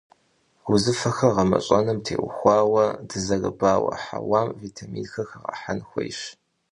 Узыфэхэр гъэмэщӀэным теухуауэ дызэрыбауэ хьэуам витаминхэр хэгъэхьэн хуейщ.